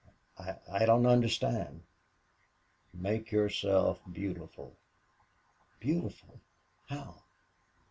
"I I don't understand." "Make yourself beautiful!" "Beautiful!... How?"